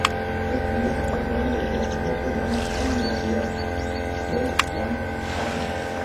Estudió hasta tercer año de Teatro y Arte Dramático en la Universidad de Jaffna.